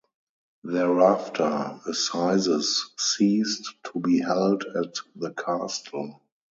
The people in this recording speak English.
Thereafter assizes ceased to be held at the castle.